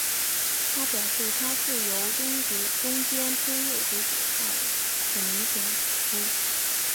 他表示他是由中间偏右和左派选民所选出。